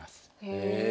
へえ。